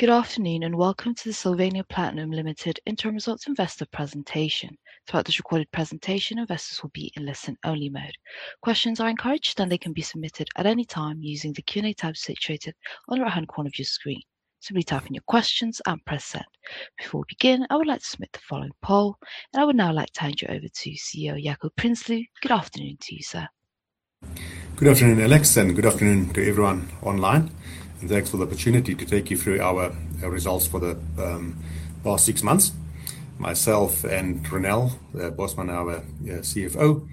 Good afternoon and welcome to the Sylvania Platinum Limited Interim Results Investor Presentation. Throughout this recorded presentation, investors will be in listen-only mode. Questions are encouraged, and they can be submitted at any time using the Q&A tab situated on the right-hand corner of your screen. Simply type in your questions and press send. Before we begin, I would like to submit the following poll, and I would now like to hand you over to CEO Jaco Prinsloo. Good afternoon to you, sir. Good afternoon, Alex, and good afternoon to everyone online, and thanks for the opportunity to take you through our results for the past six months. Myself and Ronel Bosman, our CFO,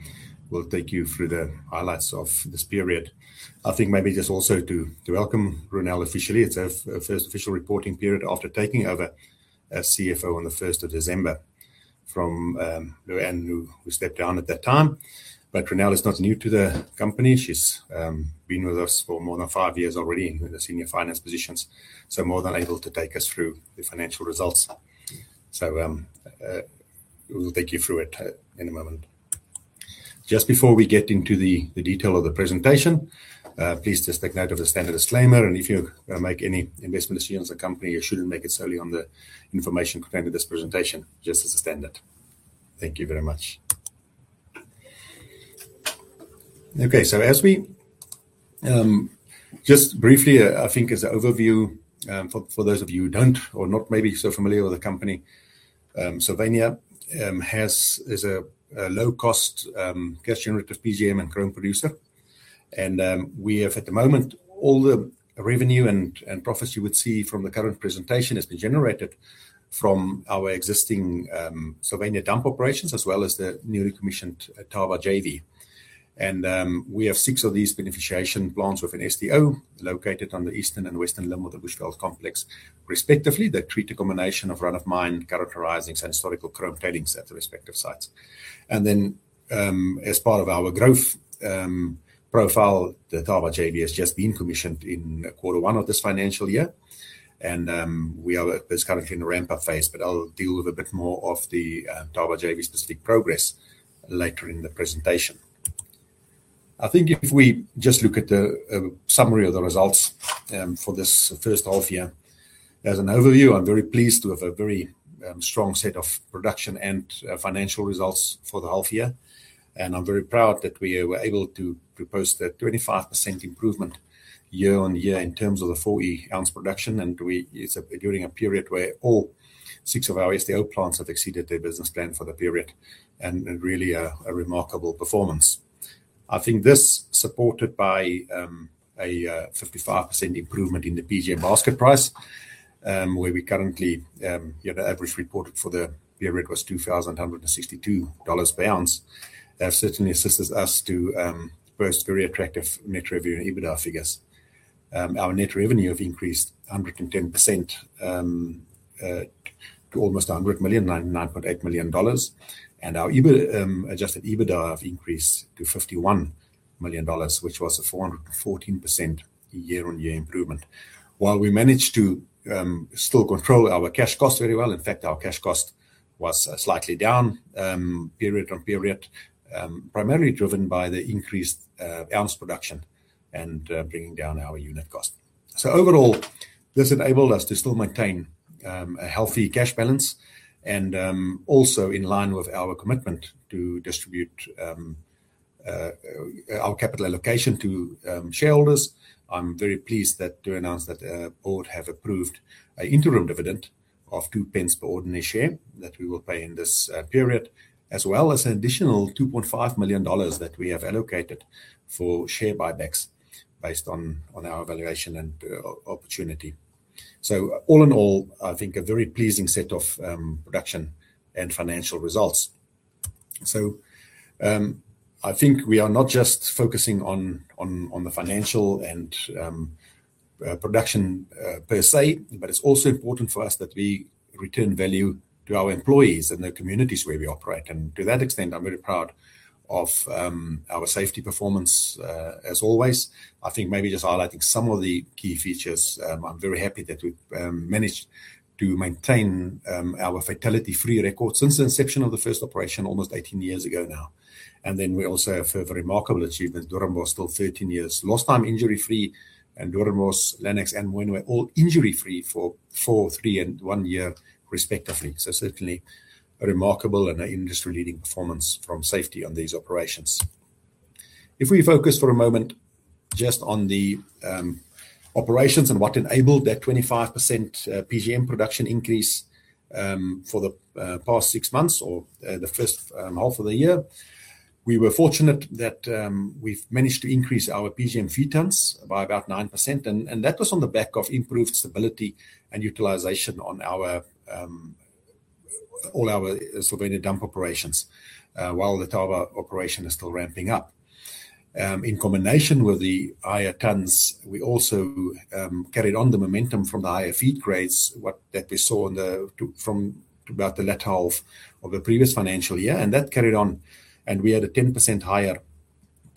will take you through the highlights of this period. I think maybe just also to welcome Ronel officially. It's her first official reporting period after taking over as CFO on the 1st of December from Lou-Anne, who stepped down at that time. But Ronel is not new to the company. She's been with us for more than five years already in the senior finance positions, so more than able to take us through the financial results. We'll take you through it in a moment. Just before we get into the detail of the presentation, please just take note of the standard disclaimer, and if you make any investment decisions on the company, you shouldn't make it solely on the information contained in this presentation, just as a standard. Thank you very much. Okay. Just briefly, I think as an overview for those of you who don't or not maybe so familiar with the company, Sylvania is a low-cost cash generator, PGM, and chrome producer. We have at the moment, all the revenue and profits you would see from the current presentation has been generated from our existing Sylvania Dump Operations as well as the newly commissioned Thaba JV. We have six of these beneficiation plants with an SDO located on the eastern and western limb of the Bushveld Complex, respectively. They treat a combination of run-of-mine, characterising, and historical chrome tailings at the respective sites. Then, as part of our growth profile, the Thaba JV has just been commissioned in quarter one of this financial year. It's currently in the ramp-up phase, but I'll deal with a bit more of the Thaba JV specific progress later in the presentation. I think if we just look at the summary of the results for this first half-year. As an overview, I'm very pleased to have a very strong set of production and financial results for the half-year. I'm very proud that we were able to propose that 25% improvement year-on-year in terms of the 4E ounce production, and during a period where all six of our SDO plants have exceeded their business plan for the period. Really a remarkable performance. I think this, supported by a 55% improvement in the PGM basket price, where we currently, the average reported for the year was $2,162 per ounce. That certainly assists us to boast very attractive net revenue EBITDA figures. Our net revenue have increased 110% to almost $100 million, $99.8 million. Our adjusted EBITDA have increased to $51 million, which was a 414% year-on-year improvement. While we managed to still control our cash costs very well, in fact, our cash cost was slightly down period-on-period, primarily driven by the increased ounce production and bringing down our unit cost. Overall, this enabled us to still maintain a healthy cash balance and also in line with our commitment to distribute our capital allocation to shareholders. I'm very pleased to announce that our board have approved an interim dividend of 2 pence per ordinary share that we will pay in this period, as well as an additional $2.5 million that we have allocated for share buybacks based on our valuation and opportunity. All in all, I think a very pleasing set of production and financial results. I think we are not just focusing on the financial and production per se, but it's also important for us that we return value to our employees and the communities where we operate. To that extent, I'm very proud of our safety performance as always. I think maybe just highlighting some of the key features, I'm very happy that we've managed to maintain our fatality-free record since the inception of the first operation almost 18 years ago now. We also have a remarkable achievement. Doornbosch was still 13 years lost-time injury-free, and Doornbosch, Lannex, and Mooinooi were all injury-free for four, three, and one year respectively. Certainly, a remarkable and industry-leading performance from safety on these operations. If we focus for a moment just on the operations and what enabled that 25% PGM production increase for the past six months or the first half of the year, we were fortunate that we've managed to increase our PGM feed tons by about 9%, and that was on the back of improved stability and utilization on all our Sylvania Dump Operations, while the Thaba operation is still ramping up. In combination with the higher tons, we also carried on the momentum from the higher feed grades that we saw from about the latter half of the previous financial year, and that carried on, and we had a 10% higher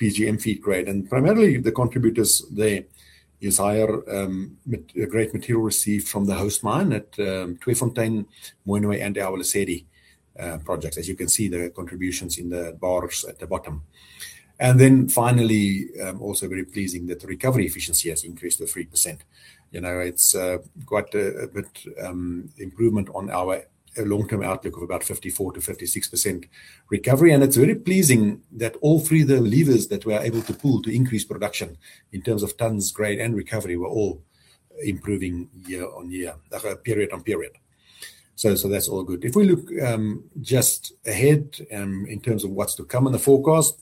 PGM feed grade. Primarily the contributors there is higher grade material received from the host mine at Tweefontein, Mooinooi, and Aweresedi projects. As you can see, there are contributions in the bars at the bottom. Finally, also very pleasing that the recovery efficiency has increased to 83%. It's quite a bit improvement on our long-term outlook of about 54%-56% recovery. It's very pleasing that all three of the levers that we are able to pull to increase production in terms of tons, grade, and recovery were all improving period on period. That's all good. If we look just ahead in terms of what's to come in the forecast.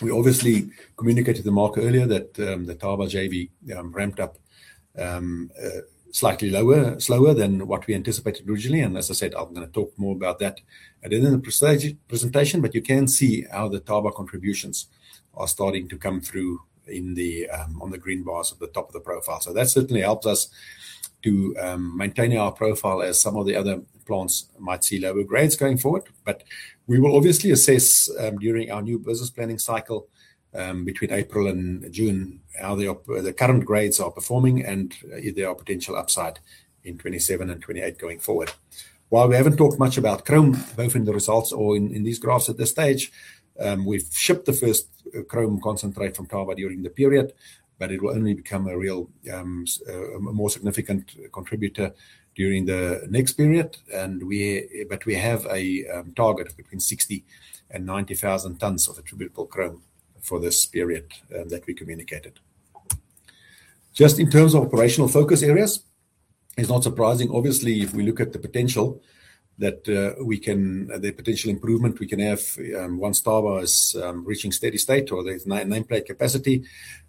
We obviously communicated in March earlier that the Thaba JV ramped up slightly slower than what we anticipated originally, and as I said, I'm going to talk more about that later in the presentation, but you can see how the Thaba contributions are starting to come through on the green bars at the top of the profile. That certainly helps us to maintaining our profile as some of the other plants might see lower grades going forward. We will obviously assess, during our new business planning cycle between April and June, how the current grades are performing and if there are potential upside in 2027 and 2028 going forward. While we haven't talked much about chrome, both in the results or in these graphs at this stage, we've shipped the first chrome concentrate from Thaba during the period, but it will only become a more significant contributor during the next period. We have a target of between 60,000-90,000 tonnes of attributable chrome for this period that we communicated. Just in terms of operational focus areas, it's not surprising. Obviously, if we look at the potential improvement we can have once Thaba is reaching steady state or there's nameplate capacity,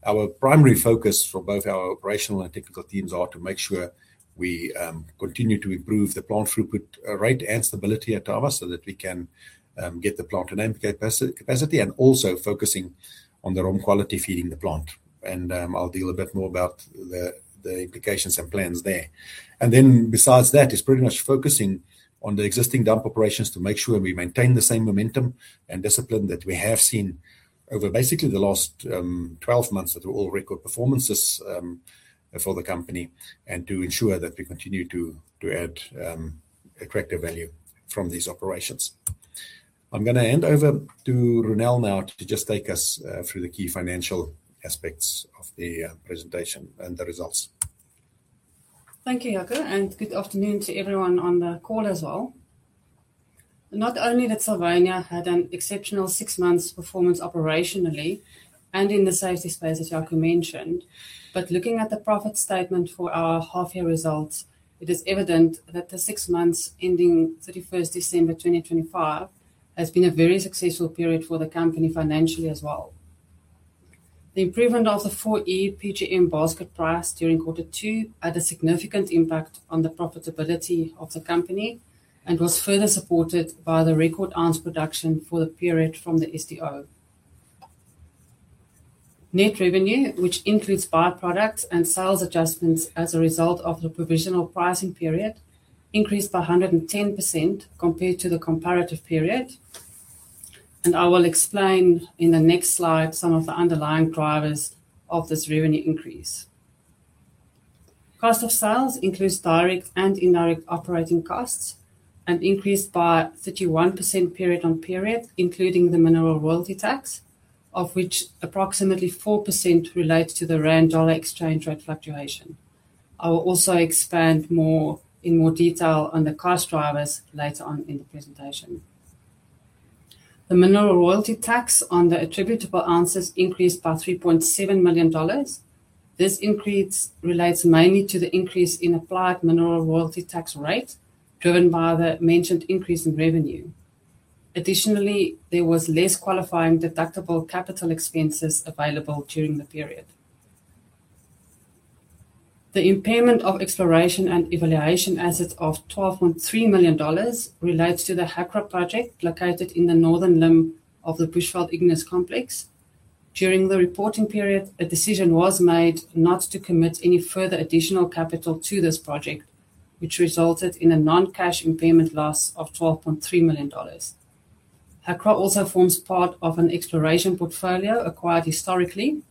our primary focus for both our operational and technical teams are to make sure we continue to improve the plant throughput rate and stability at Thaba so that we can get the plant to nameplate capacity and also focusing on the ROM quality feeding the plant. I'll deal a bit more about the implications and plans there. Besides that, it's pretty much focusing on the existing dump operations to make sure we maintain the same momentum and discipline that we have seen over basically the last 12 months. That were all record performances for the company and to ensure that we continue to add accretive value from these operations. I'm going to hand over to Ronel now to just take us through the key financial aspects of the presentation and the results. Thank you, Jaco, and good afternoon to everyone on the call as well. Not only that Sylvania had an exceptional six months performance operationally and in the safety space, as Jaco mentioned, but looking at the profit statement for our half year results, it is evident that the six months ending 31st December 2025 has been a very successful period for the company financially as well. The improvement of the 4E PGM basket price during quarter two had a significant impact on the profitability of the company and was further supported by the record ounce production for the period from the SDO. Net revenue, which includes byproducts and sales adjustments as a result of the provisional pricing period, increased by 110% compared to the comparative period. I will explain in the next slide some of the underlying drivers of this revenue increase. Cost of sales includes direct and indirect operating costs and increased by 31% period-on-period, including the mineral royalty tax, of which approximately 4% relates to the rand/dollar exchange rate fluctuation. I will also expand in more detail on the cost drivers later on in the presentation. The mineral royalty tax on the attributable ounces increased by $3.7 million. This increase relates mainly to the increase in applied mineral royalty tax rate driven by the mentioned increase in revenue. Additionally, there was less qualifying deductible capital expenses available during the period. The impairment of exploration and evaluation assets of $12.3 million relates to the Hacra Project located in the northern limb of the Bushveld Igneous Complex. During the reporting period, a decision was made not to commit any further additional capital to this project, which resulted in a non-cash impairment loss of $12.3 million. Hacra also forms part of an exploration portfolio acquired historically,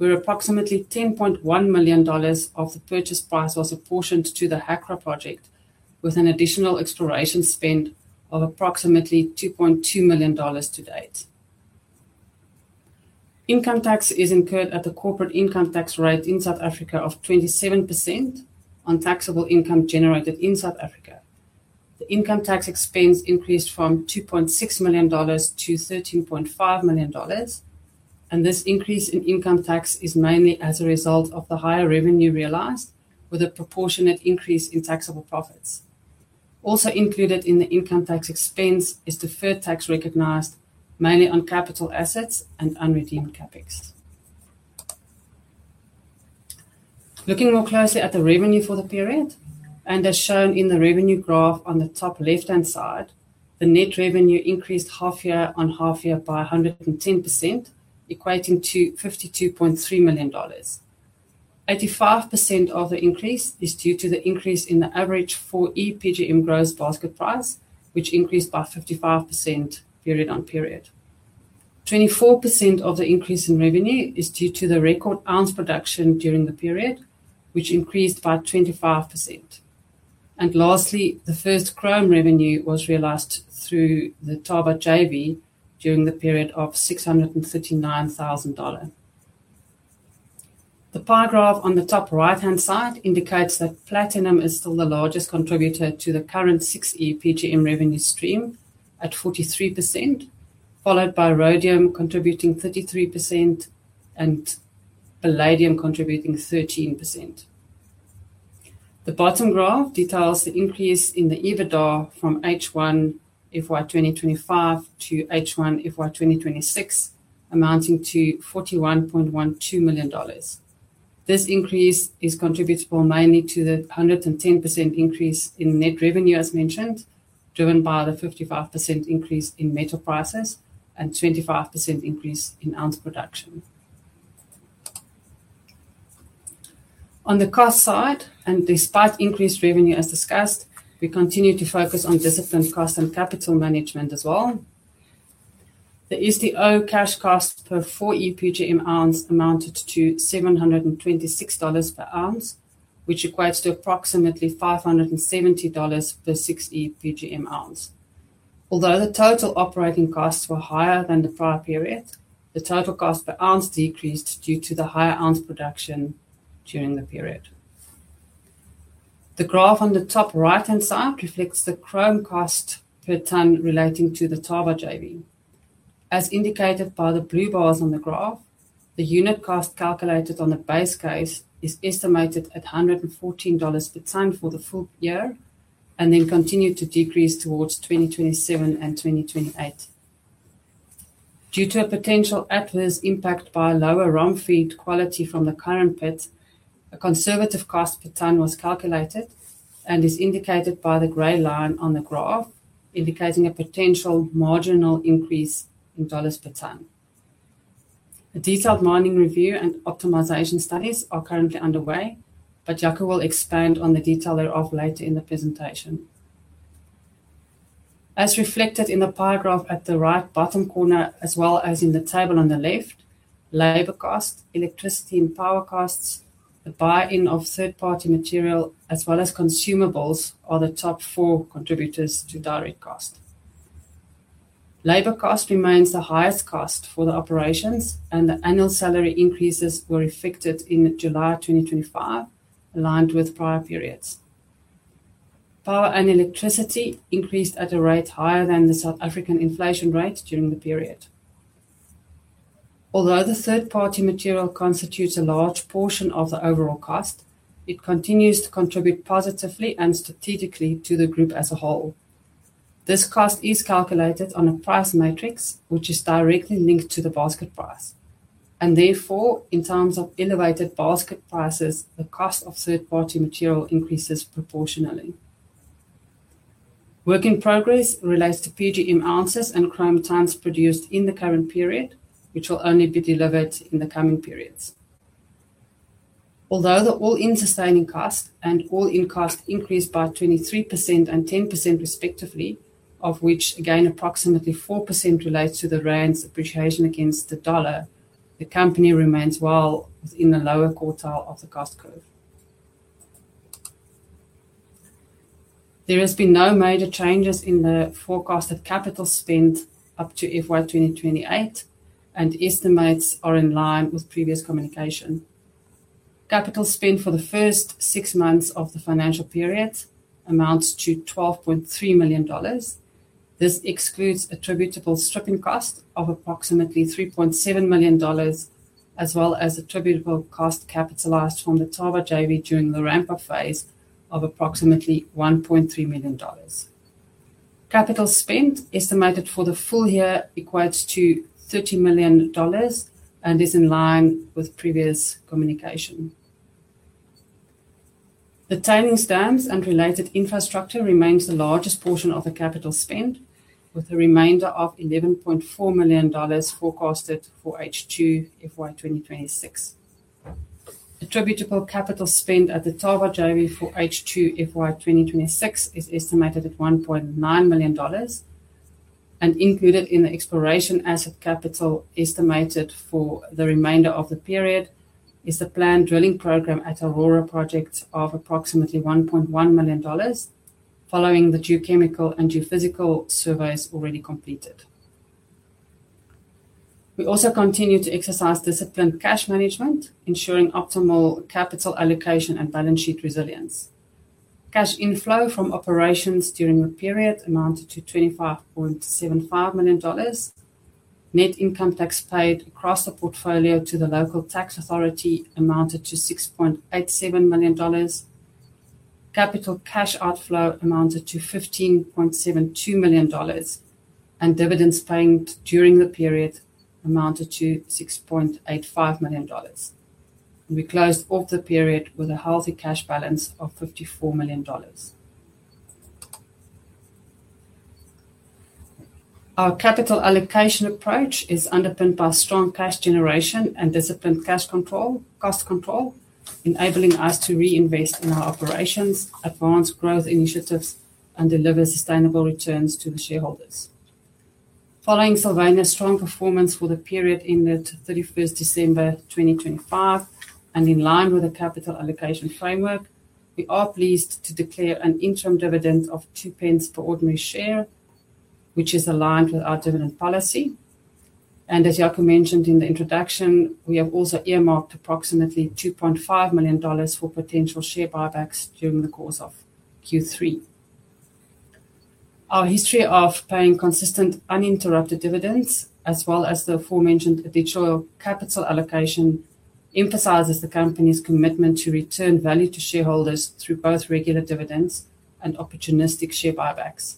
where approximately $10.1 million of the purchase price was apportioned to the Hacra Project, with an additional exploration spend of approximately $2.2 million to date. Income tax is incurred at the corporate income tax rate in South Africa of 27% on taxable income generated in South Africa. The income tax expense increased from $2.6 million-$13.5 million, and this increase in income tax is mainly as a result of the higher revenue realized with a proportionate increase in taxable profits. Also included in the income tax expense is deferred tax recognized mainly on capital assets and unredeemed CapEx. Looking more closely at the revenue for the period, as shown in the revenue graph on the top left-hand side, the net revenue increased half year-on-half year by 110%, equating to $52.3 million. 85% of the increase is due to the increase in the average 4E PGM gross basket price, which increased by 55% period-on-period. 24% of the increase in revenue is due to the record ounce production during the period, which increased by 25%. Lastly, the first chrome revenue was realized through the Thaba JV during the period of $639,000. The pie graph on the top right-hand side indicates that platinum is still the largest contributor to the current 6E PGM revenue stream at 43%, followed by rhodium contributing 33% and palladium contributing 13%. The bottom graph details the increase in the EBITDA from H1 FY 2025 to H1 FY 2026, amounting to $41.12 million. This increase is attributable mainly to the 110% increase in net revenue as mentioned, driven by the 55% increase in metal prices and 25% increase in ounce production. On the cost side, and despite increased revenue as discussed, we continue to focus on disciplined cost and capital management as well. The SDO cash cost per 4E PGM ounce amounted to $726 per ounce, which equates to approximately $570 per 6E PGM ounce. Although the total operating costs were higher than the prior period, the total cost per ounce decreased due to the higher ounce production during the period. The graph on the top right-hand side reflects the chrome cost per ton relating to the Thaba JV. As indicated by the blue bars on the graph, the unit cost calculated on the base case is estimated at $114 per ton for the full year, and then continued to decrease towards 2027 and 2028. Due to a potential adverse impact via lower raw feed quality from the current pit, a conservative cost per ton was calculated and is indicated by the gray line on the graph, indicating a potential marginal increase in dollars per ton. A detailed mining review and optimization studies are currently underway, but Jaco will expand on the detail thereof later in the presentation. As reflected in the pie graph at the right bottom corner, as well as in the table on the left, labor cost, electricity and power costs, the buy-in of third-party material, as well as consumables are the top four contributors to direct cost. Labor cost remains the highest cost for the operations, and the annual salary increases were effected in July 2025, aligned with prior periods. Power and electricity increased at a rate higher than the South African inflation rate during the period. Although the third-party material constitutes a large portion of the overall cost, it continues to contribute positively and strategically to the group as a whole. This cost is calculated on a price matrix, which is directly linked to the basket price, and therefore, in times of elevated basket prices, the cost of third-party material increases proportionally. Work in progress relates to PGM ounces and chrome tons produced in the current period, which will only be delivered in the coming periods. Although the all-in sustaining cost and all-in cost increased by 23% and 10% respectively, of which again, approximately 4% relates to the rand's appreciation against the dollar, the company remains well within the lower quartile of the cost curve. There has been no major changes in the forecasted capital spend up to FY 2028, and estimates are in line with previous communication. Capital spend for the first six months of the financial period amounts to $12.3 million. This excludes attributable stripping cost of approximately $3.7 million, as well as attributable cost capitalized from the Thaba JV during the ramp-up phase of approximately $1.3 million. Capital spend estimated for the full year equates to $30 million and is in line with previous communication. The tailings dams and related infrastructure remains the largest portion of the capital spend, with a remainder of $11.4 million forecasted for H2 FY 2026. Attributable capital spend at the Thaba JV for H2 FY 2026 is estimated at $1.9 million and included in the exploration asset capital estimated for the remainder of the period is the planned drilling program at Hacra Project of approximately $1.1 million, following the geochemical and geophysical surveys already completed. We also continue to exercise disciplined cash management, ensuring optimal capital allocation and balance sheet resilience. Cash inflow from operations during the period amounted to $25.75 million. Net income tax paid across the portfolio to the local tax authority amounted to $6.87 million. Capital cash outflow amounted to $15.72 million, and dividends paid during the period amounted to $6.85 million. We closed off the period with a healthy cash balance of $54 million. Our capital allocation approach is underpinned by strong cash generation and disciplined cost control, enabling us to reinvest in our operations, advance growth initiatives, and deliver sustainable returns to the shareholders. Following Sylvania's strong performance for the period ended 31st December 2025, and in line with the capital allocation framework, we are pleased to declare an interim dividend of 2 pence per ordinary share, which is aligned with our dividend policy. As Jaco mentioned in the introduction, we have also earmarked approximately $2.5 million for potential share buybacks during the course of Q3. Our history of paying consistent, uninterrupted dividends, as well as the aforementioned additional capital allocation, emphasizes the company's commitment to return value to shareholders through both regular dividends and opportunistic share buybacks.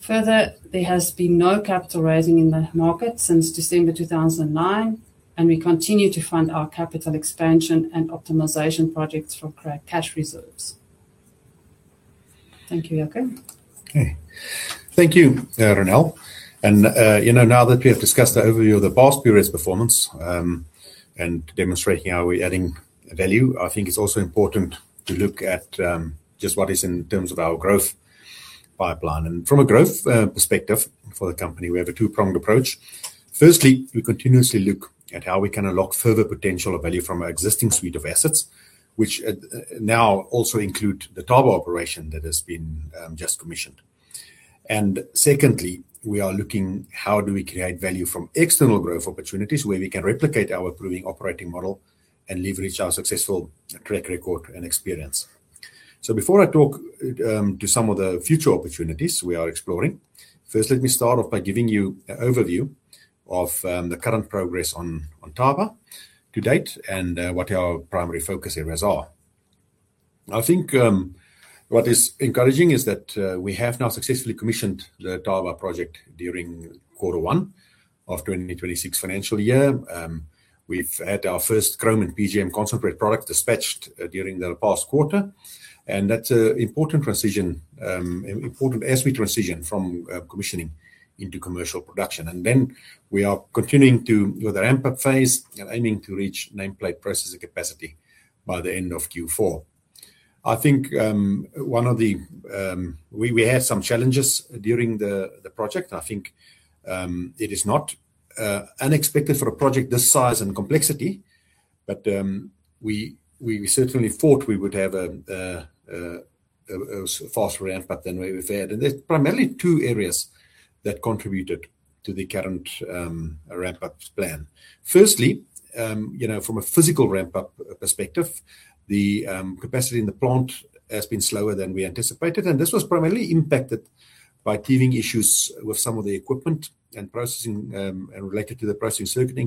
Further, there has been no capital raising in the market since December 2009, and we continue to fund our capital expansion and optimization projects from our cash reserves. Thank you, Jaco. Okay. Thank you, Ronel. Now that we have discussed the overview of the past period's performance and demonstrating how we're adding value, I think it's also important to look at just what is in terms of our growth pipeline. From a growth perspective for the company, we have a two-pronged approach. Firstly, we continuously look at how we can unlock further potential of value from our existing suite of assets, which now also include the Thaba operation that has been just commissioned. Secondly, we are looking how do we create value from external growth opportunities where we can replicate our proven operating model and leverage our successful track record and experience. Before I talk to some of the future opportunities we are exploring, first, let me start off by giving you an overview of the current progress on Thaba to date and what our primary focus areas are. I think what is encouraging is that we have now successfully commissioned the Thaba Project during quarter one of 2026 financial year. We've had our first chrome and PGM concentrate product dispatched during the past quarter, and that's an important aspect transition from commissioning into commercial production. We are continuing with the ramp-up phase and aiming to reach nameplate processing capacity by the end of Q4. I think we had some challenges during the project. I think it is not unexpected for a project this size and complexity, but we certainly thought we would have a faster ramp-up than we've had. There's primarily two areas that contributed to the current ramp-up plan. Firstly, from a physical ramp-up perspective, the capacity in the plant has been slower than we anticipated, and this was primarily impacted by teething issues with some of the equipment and related to the processing circuit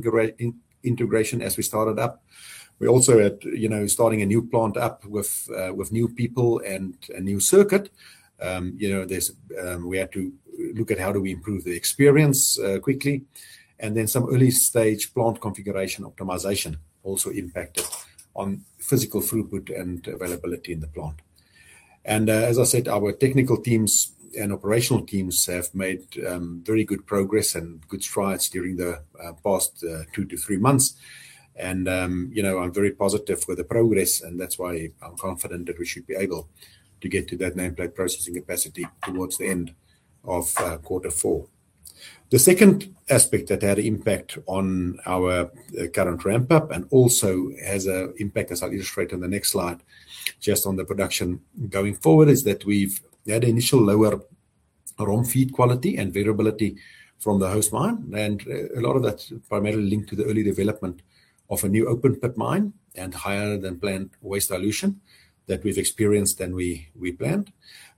integration as we started up. We also had, starting a new plant up with new people and a new circuit, we had to look at how do we improve the experience quickly. Then some early-stage plant configuration optimization also impacted on physical throughput and availability in the plant. As I said, our technical teams and operational teams have made very good progress and good strides during the past two to three months. I'm very positive with the progress, and that's why I'm confident that we should be able to get to that nameplate processing capacity towards the end of quarter four. The second aspect that had an impact on our current ramp-up and also has an impact, as I'll illustrate on the next slide, just on the production going forward, is that we've had initial lower ore feed quality and variability from the host mine. A lot of that's primarily linked to the early development of a new open pit mine and higher-than-planned waste dilution that we've experienced than we planned.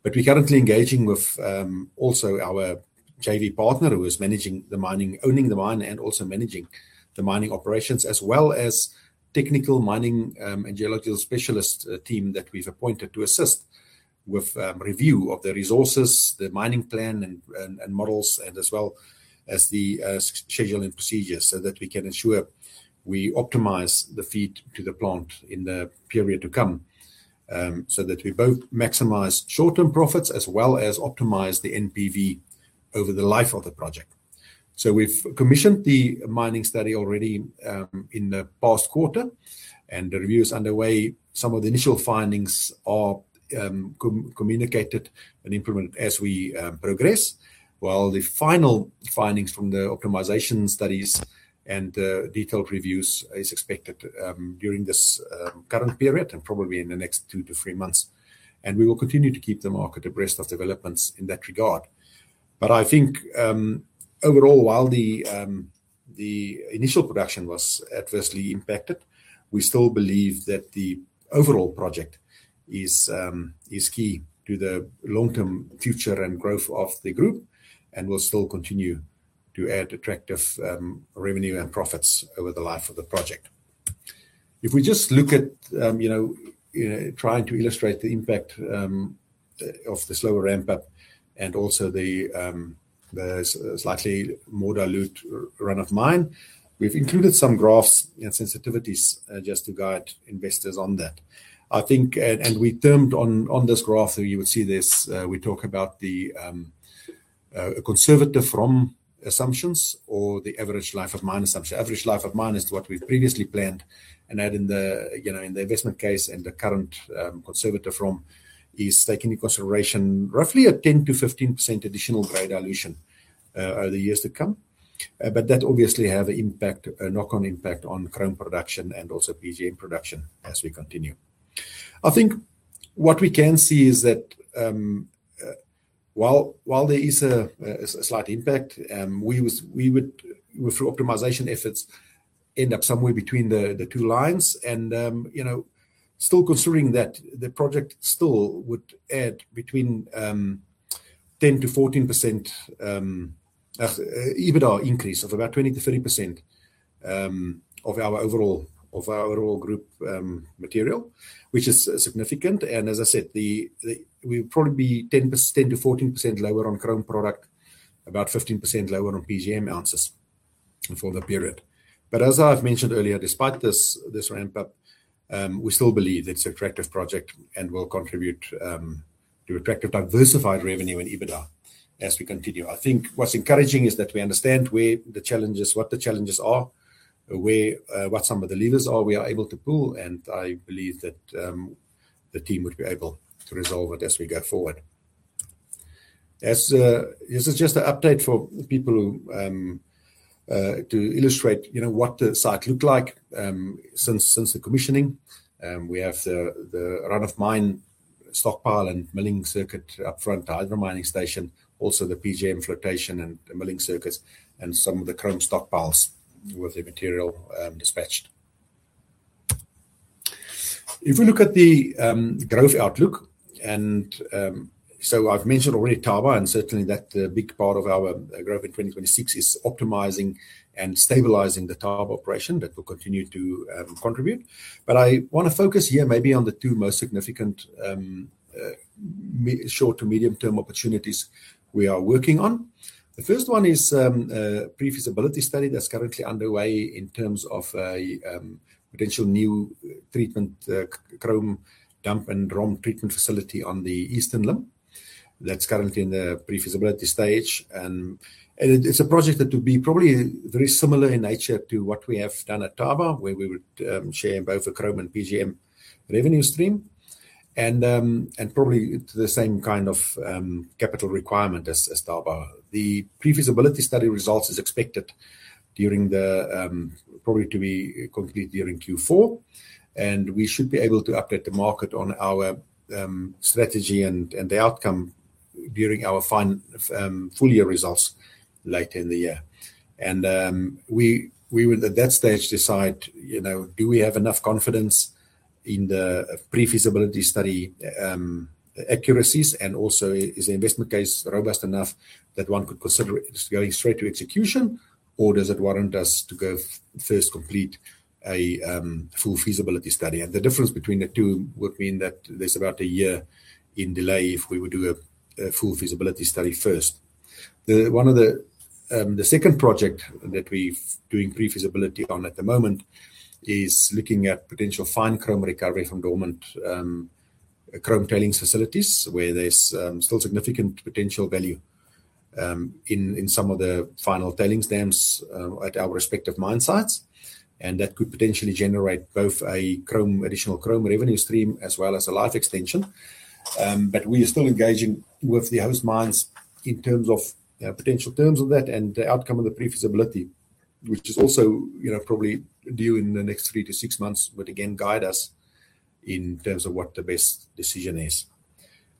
We're currently engaging with also our JV partner who is managing the mining, owning the mine, and also managing the mining operations, as well as technical mining and geological specialist team that we've appointed to assist with review of the resources, the mining plan, and models, and as well as the scheduling procedures so that we can ensure we optimize the feed to the plant in the period to come. That we both maximize short-term profits as well as optimize the NPV over the life of the project. We've commissioned the mining study already in the past quarter, and the review is underway. Some of the initial findings are communicated and implemented as we progress, while the final findings from the optimization studies and detailed reviews is expected during this current period, and probably in the next two to three months. We will continue to keep the market abreast of developments in that regard. I think overall, while the initial production was adversely impacted, we still believe that the overall project is key to the long-term future and growth of the group and will still continue to add attractive revenue and profits over the life of the project. If we just look at trying to illustrate the impact of the slower ramp-up. There's a slightly more dilute run-of-mine. We've included some graphs and sensitivities just to guide investors on that. I think, and we turned to this graph, so you would see this, we talk about the conservative assumptions or the average life-of-mine assumptions. Average life of mine is what we've previously planned and had in the investment case, and the current conservative form is taking into consideration roughly 10%-15% additional grade dilution over the years to come. That obviously have a knock-on impact on chrome production and also PGM production as we continue. I think what we can see is that while there is a slight impact, we would, through optimization efforts, end up somewhere between the two lines and still considering that the project still would add between 10%-14% EBITDA increase of about 20%-30% of our overall group material, which is significant and as I said, we'll probably be 10%-14% lower on chrome product, about 15% lower on PGM ounces for the period. As I've mentioned earlier, despite this ramp-up, we still believe it's an attractive project and will contribute to attractive diversified revenue and EBITDA as we continue. I think what's encouraging is that we understand where the challenges, what the challenges are, what some of the levers are we are able to pull, and I believe that the team would be able to resolve it as we go forward. This is just an update for people to illustrate what the site looked like since the commissioning. We have the run-of-mine stockpile and milling circuit up-front hydro mining station, also the PGM flotation and the milling circuits and some of the chrome stockpiles with the material dispatched. If we look at the growth outlook, and so I've mentioned already Thaba, and certainly that big part of our growth in 2026 is optimizing and stabilizing the Thaba operation that will continue to contribute. I want to focus here maybe on the two most significant short to medium-term opportunities we are working on. The first one is pre-feasibility study that's currently underway in terms of a potential new treatment chrome dump and ROM treatment facility on the Eastern Limb. That's currently in the pre-feasibility stage, and it's a project that will be probably very similar in nature to what we have done at Thaba, where we would share in both the chrome and PGM revenue stream and probably the same kind of capital requirement as Thaba. The pre-feasibility study results is expected probably to be complete during Q4, and we should be able to update the market on our strategy and the outcome during our full-year results later in the year. We will, at that stage, decide do we have enough confidence in the pre-feasibility study accuracies and also is the investment case robust enough that one could consider going straight to execution, or does it warrant us to go first complete a full feasibility study? The difference between the two would mean that there's about a year in delay if we would do a full feasibility study first. The second project that we're doing pre-feasibility on at the moment is looking at potential fine chrome recovery from dormant chrome tailings facilities, where there's still significant potential value in some of the final tailings dams at our respective mine sites. That could potentially generate both additional chrome revenue stream as well as a life extension. We are still engaging with the host mines in terms of potential terms of that and the outcome of the pre-feasibility, which is also probably due in the next three to six months, would again guide us in terms of what the best decision is.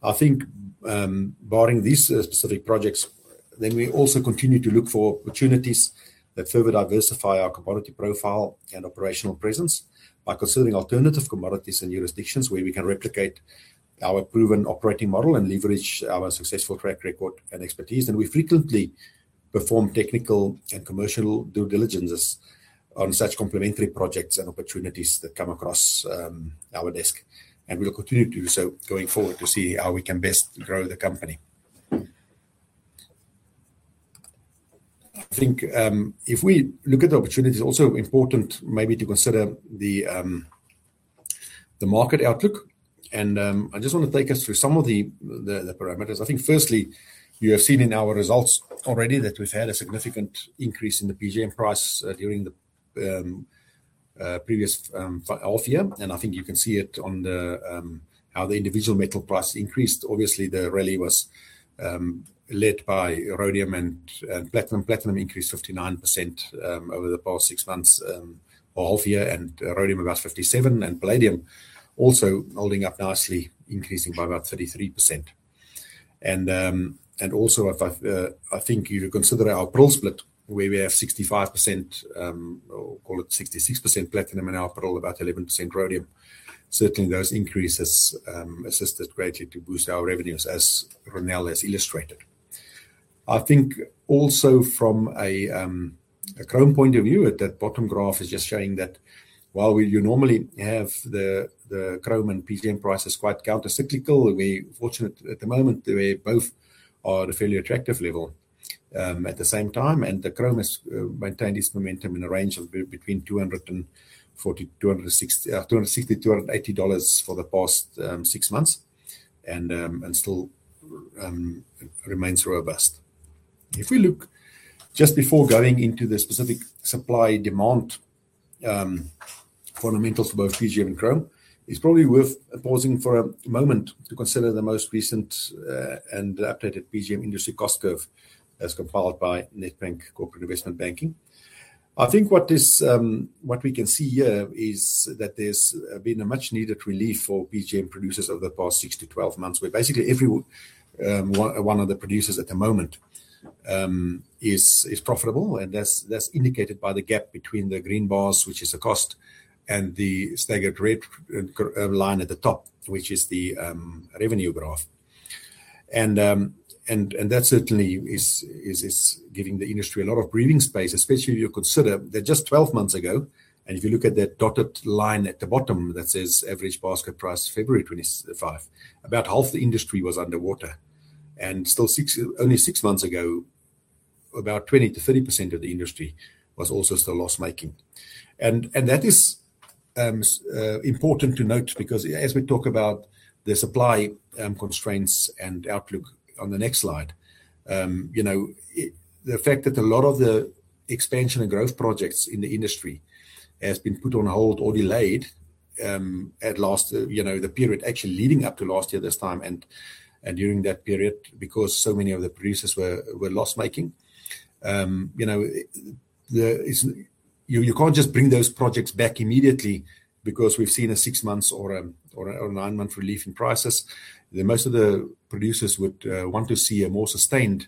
I think barring these specific projects, then we also continue to look for opportunities that further diversify our commodity profile and operational presence by considering alternative commodities and jurisdictions where we can replicate our proven operating model and leverage our successful track record and expertise. We frequently perform technical and commercial due diligences on such complementary projects and opportunities that come across our desk. We'll continue to do so going forward to see how we can best grow the company. I think if we look at the opportunities, also important maybe to consider the market outlook, and I just want to take us through some of the parameters. I think firstly, you have seen in our results already that we've had a significant increase in the PGM price during the previous half year, and I think you can see it on how the individual metal price increased. Obviously, the rally was led by rhodium and platinum. Platinum increased 59% over the past six months or half year, and rhodium about 57%, and palladium also holding up nicely, increasing by about 33%. I think if you consider our prill split where we have 65%, or call it 66% platinum and about 11% rhodium, certainly those increases assisted greatly to boost our revenues as Ronel has illustrated. I think also from a chrome point of view at that bottom graph is just showing that while you normally have the chrome and PGM prices quite counter cyclical, we're fortunate at the moment they both are at a fairly attractive level, at the same time. The chrome has maintained its momentum in a range between $260-$280 for the past six months and still remains robust. If we look just before going into the specific supply-demand fundamentals for both PGM and chrome, it's probably worth pausing for a moment to consider the most recent and updated PGM industry cost curve as compiled by Nedbank Corporate and Investment Banking. I think what we can see here is that there's been a much-needed relief for PGM producers over the past 6-12 months, where basically every one of the producers at the moment is profitable and that's indicated by the gap between the green bars, which is the cost, and the staggered red line at the top, which is the revenue graph. That certainly is giving the industry a lot of breathing space, especially if you consider that just 12 months ago, and if you look at that dotted line at the bottom that says average basket price February 2025, about half the industry was underwater. Still only six months ago, about 20%-30% of the industry was also still loss-making. That is important to note because as we talk about the supply constraints and outlook on the next slide, the fact that a lot of the expansion and growth projects in the industry have been put on hold or delayed, at least the period actually leading up to last year this time and during that period because so many of the producers were loss-making. You can't just bring those projects back immediately because we've seen a 6-month or a 9-month relief in prices. Most of the producers would want to see a more sustained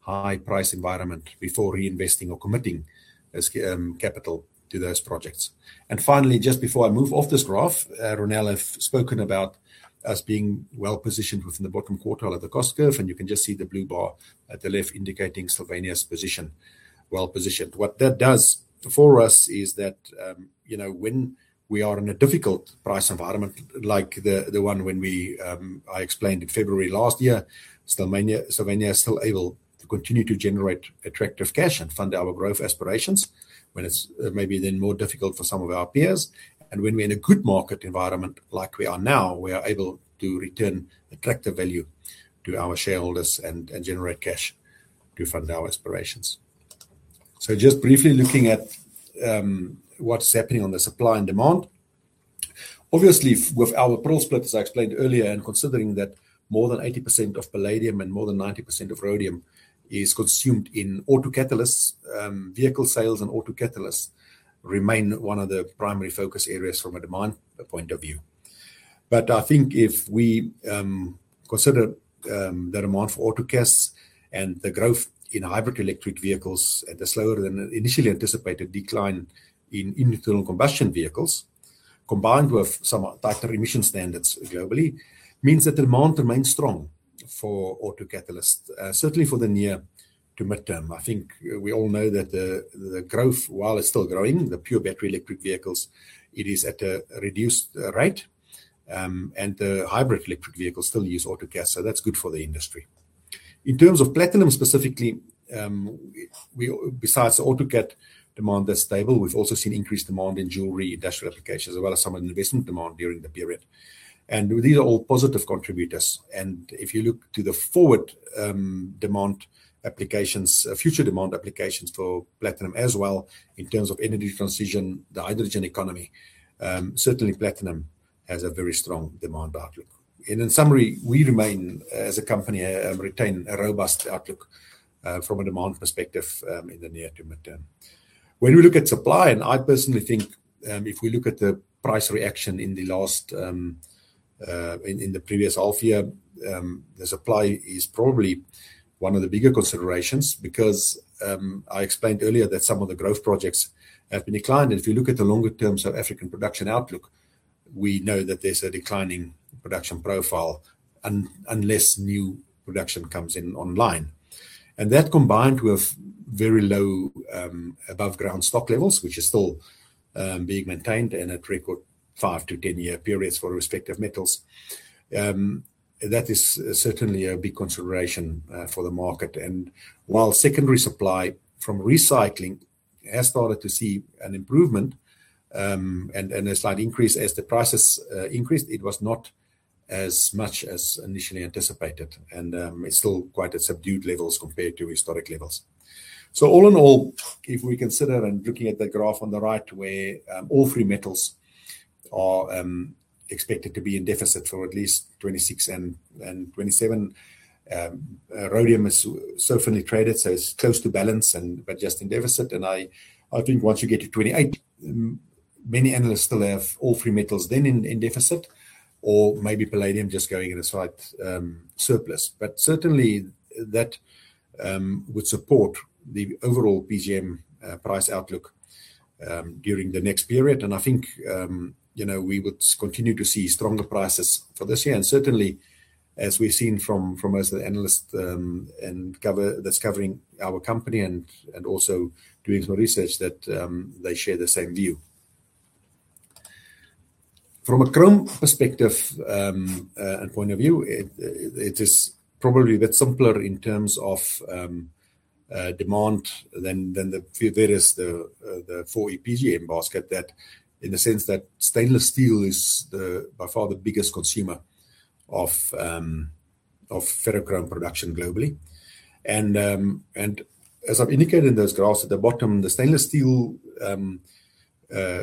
high price environment before reinvesting or committing capital to those projects. Finally, just before I move off this graph, Ronel has spoken about us being well-positioned within the bottom quartile of the cost curve, and you can just see the blue bar at the left indicating Sylvania's position. Well-positioned. What that does for us is that, when we are in a difficult price environment like the one when I explained in February last year, Sylvania is still able to continue to generate attractive cash and fund our growth aspirations when it's maybe then more difficult for some of our peers. When we're in a good market environment like we are now, we are able to return attractive value to our shareholders and generate cash to fund our aspirations. Just briefly looking at what's happening on the supply and demand. Obviously, with our prill split, as I explained earlier, and considering that more than 80% of palladium and more than 90% of rhodium is consumed in autocatalysts, vehicle sales and autocatalysts remain one of the primary focus areas from a demand point of view. I think if we consider the demand for autocatalysts and the growth in hybrid electric vehicles at a slower than initially anticipated decline in internal combustion vehicles, combined with some tighter emission standards globally, means that demand remains strong for autocatalysts. Certainly, for the near to midterm. I think we all know that the growth, while it's still growing, the pure battery electric vehicles, it is at a reduced rate. The hybrid electric vehicles still use autocatalysts, so that's good for the industry. In terms of platinum specifically, besides autocatalyst demand that's stable, we've also seen increased demand in jewelry, industrial applications, as well as some investment demand during the period. These are all positive contributors. If you look to the forward demand applications, future demand applications for platinum as well in terms of energy transition, the hydrogen economy, certainly platinum has a very strong demand outlook. In summary, we remain as a company, retain a robust outlook, from a demand perspective, in the near to midterm. When we look at supply, and I personally think, if we look at the price reaction in the previous half year, the supply is probably one of the bigger considerations because, I explained earlier that some of the growth projects have declined. If you look at the longer-term South African production outlook, we know that there's a declining production profile unless new production comes in online. That combined with very low above-ground stock levels, which are still being maintained and at record 5 year-10 year periods for respective metals, that is certainly a big consideration for the market. While secondary supply from recycling has started to see an improvement, and a slight increase as the prices increased, it was not as much as initially anticipated. It's still quite at subdued levels compared to historic levels. All in all, if we consider and looking at the graph on the right where all three metals are expected to be in deficit for at least 2026 and 2027. Rhodium is so finely traded, so it's close to balance, but just in deficit. I think once you get to 2028, many analysts still have all three metals then in deficit or maybe palladium just going in a slight surplus. Certainly that would support the overall PGM price outlook, during the next period. I think we would continue to see stronger prices for this year. Certainly as we've seen from most of the analysts that's covering our company and also doing some research that they share the same view. From a chrome perspective and point of view, it is probably a bit simpler in terms of demand than the various 4E PGM basket that, in the sense that stainless steel is by far the biggest consumer of ferrochrome production globally. As I've indicated in those graphs at the bottom, the stainless steel